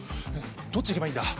どっち行けばいいんだ？